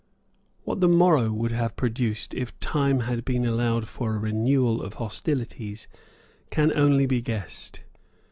What the morrow would have produced if time had been allowed for a renewal of hostilities can only be guessed.